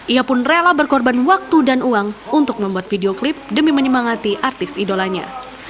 ia pun rela berkorban waktu dan uang untuk membuat video klip demi menyemangati artis idolanya